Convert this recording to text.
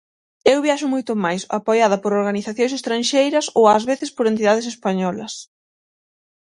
Eu viaxo moito máis apoiada por organizacións estranxeiras ou ás veces por entidades españolas.